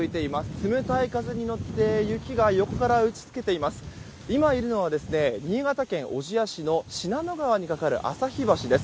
冷たい風に乗って雪が横から打ち付けています。